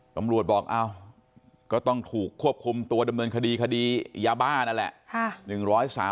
ตำรวจบอกก็ต้องถูกควบคุมตัวดำเนินคดีคดียาบ้านนั่นแหละ